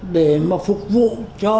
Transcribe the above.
để mà phục vụ cho